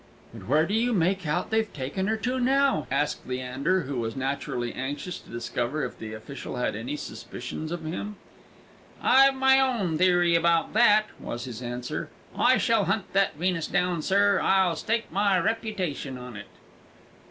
"But where do you make out they've taken her to now?" asked Leander, who was naturally anxious to discover if the official had any suspicions of him. "I've my own theory about that," was his answer. "I shall hunt that Venus down, sir; I'll stake my reputation on it."